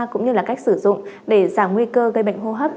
cũng như là cách sử dụng để giảm nguy cơ gây bệnh hô hấp